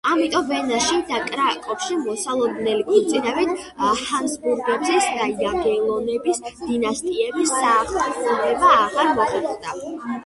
ამიტომ ვენაში და კრაკოვში მოსალოდნელი ქორწინებით ჰაბსბურგების და იაგელონების დინასტიების დაახლოვება აღარ მოხერხდა.